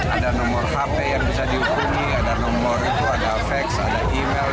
ada nomor hp yang bisa dihukumi ada nomor itu ada fix ada email